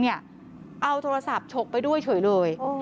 เอาโทรศัพท์ฉกไปด้วยเฉยเลย